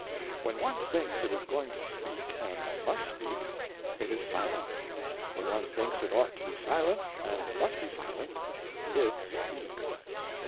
When, one thinks it is going to speak and must speak, it is silent ; when one thinks it ought to be silent and must be silent, it speaks.